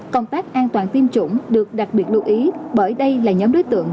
công tác an toàn tiêm chủng được đặc biệt lưu ý bởi đây là nhóm đối tượng